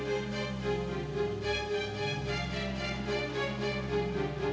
itu semua tuh gara gara gini